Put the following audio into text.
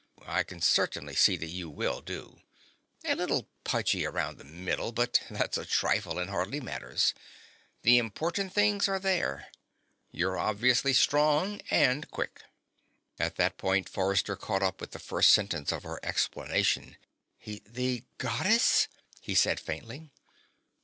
"I can certainly see that you will do. A little pudgy around the middle, but that's a trifle and hardly matters. The important things are there. You're obviously strong and quick." At that point Forrester caught up with the first sentence of her explanation. "The the Goddess?" he said faintly.